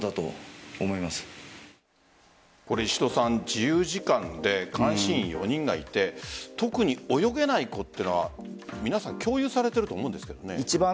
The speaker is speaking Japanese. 自由時間で監視員４人がいて特に泳げない子というのは皆さん共有されていると思うんですけど。